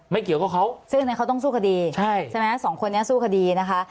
ไม่เกี่ยวกับเขาซึ่งเขาต้องสู้คดีใช่ไหมสองคนนี้สู้คดีนะคะ